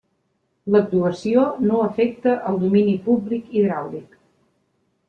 L'actuació no afecta el domini públic hidràulic.